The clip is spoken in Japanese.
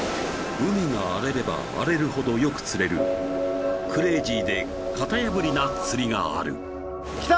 海が荒れれば荒れるほどよく釣れるクレイジーで型破りな釣りがある来た！